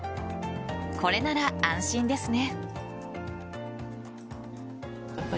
これなら安心ですね。